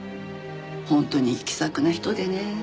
本当に気さくな人でね。